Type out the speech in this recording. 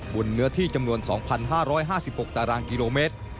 เนื้อที่จำนวน๒๕๕๖ตารางกิโลเมตร